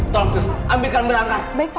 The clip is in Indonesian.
tolong sus ambilkan berangkar